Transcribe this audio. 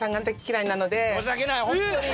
申し訳ないホントに！